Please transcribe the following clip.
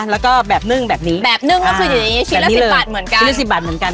แล้วก็แบบนึ่งแบบนี้แบบนึ่งก็คืออย่างนี้ชิ้นละสิบบาทเหมือนกันชิ้นละสิบบาทเหมือนกัน